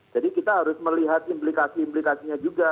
jadi kita harus melihat implikasi implikasinya juga